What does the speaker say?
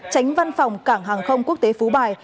tránh văn phòng cảng hàng không quốc tế phú bài